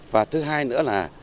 và thứ hai nữa là